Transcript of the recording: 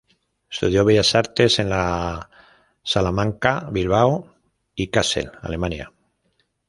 Estudió Bellas Artes en la Salamanca, Bilbao y Kassel, Alemania.